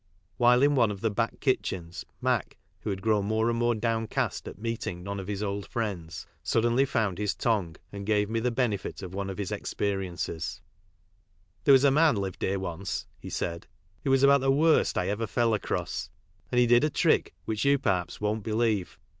While in one of the back kitchens Mac, who had grown more and more downcast at meeting none of his old friends, suddenly found histongueandgave me the benefit of one of his experi ences : There was.a man lived here once," he said, who was ahout the worst I ever fell across, and he did a trick which you perhaps won't believe.